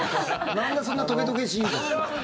なんで、そんなとげとげしいんですか？